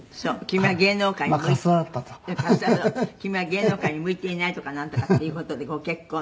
「君は芸能界に向いていないとかなんとかっていう事でご結婚」